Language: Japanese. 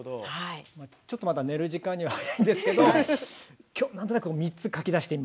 ちょっとまだ寝る時間には早いんですけど今日何となく３つ書き出して今。